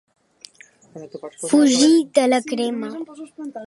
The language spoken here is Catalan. Fugir de la crema.